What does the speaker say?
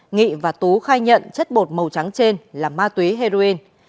nghị và tú khai nhận chất bột màu trắng trên là ma túy heroin